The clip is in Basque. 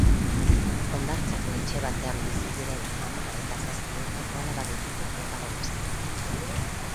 Hondartzako etxe batean bizi diren ama eta zazpi urteko alaba ditugu protagonistak.